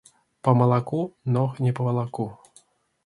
Па малаку ног не павалаку